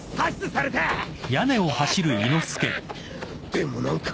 でも何か。